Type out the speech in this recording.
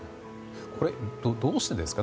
これ、どうしてですか？